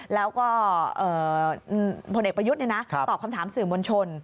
แล้วก็ผลเอกประยุทธ์ตอบคำถามสื่อมวลชน